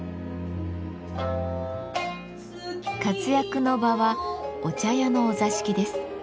活躍の場はお茶屋のお座敷です。